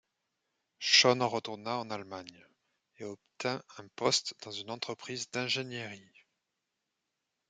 Schön retourna en Allemagne, et obtint un poste dans une entreprise d’ingénierie.